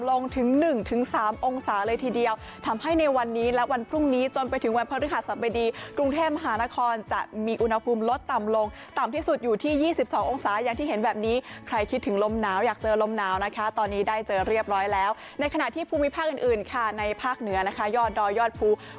ลงถึง๑๓องศาเลยทีเดียวทำให้ในวันนี้และวันพรุ่งนี้จนไปถึงวันพฤหัสบดีกรุงเทพมหานครจะมีอุณหภูมิลดต่ำลงต่ำที่สุดอยู่ที่๒๒องศาอย่างที่เห็นแบบนี้ใครคิดถึงลมหนาวอยากเจอลมหนาวนะคะตอนนี้ได้เจอเรียบร้อยแล้วในขณะที่ภูมิภาคอื่นค่ะในภาคเหนือนะคะยอดดอยยอดภู